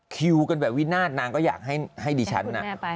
คิวกันแบบวินาศนางก็อยากให้ดิฉันน่ะ